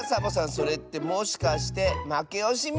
それってもしかしてまけおしみ？